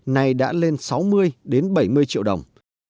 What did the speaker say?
này đã lên sáu mươi đến bảy mươi triệu đồng